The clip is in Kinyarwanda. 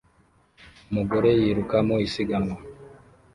Umugore yiruka mu isiganwa